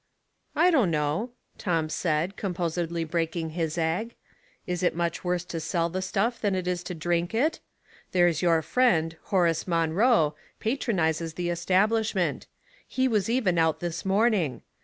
" I don't know," Tom said, composedly break ing his egg, " Is it much worse to sell the stuff than it is to drink it? There's your friend, Horace Monroe, patronizes the establishment. He was even out this morning.